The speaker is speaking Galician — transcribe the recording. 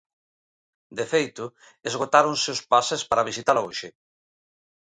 De feito, esgotáronse os pases para visitala hoxe.